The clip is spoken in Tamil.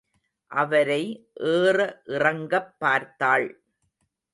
அவரை ஏற இறங்கப் பார்த்தாள்.